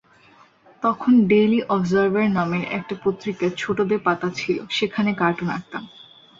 তখন Daily Observer নামের একটা পত্রিকায় ছোটদের পাতা ছিল, সেখানে কার্টুন আঁকতাম।